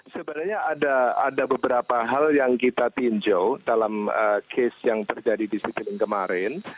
sebenarnya ada beberapa hal yang kita tinjau dalam case yang terjadi di citylink kemarin